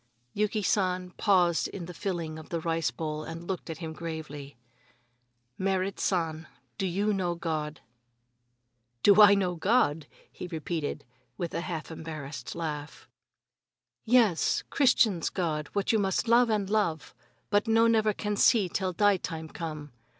Yuki San paused in the filling of the rice bowl and looked at him gravely: "Merrit San, do you know God?" "Do I know God?" he repeated, with a half embarrassed laugh. "Yes, Christians' God, what you must love and love, but no never can see till die time come.